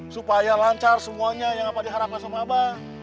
supaya lancar semuanya yang apa diharapkan sama abah